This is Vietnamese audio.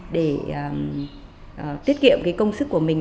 để tiết kiệm công sức của mình